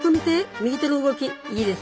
右手の動きいいです。